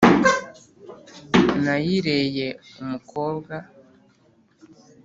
nayireye umukobwa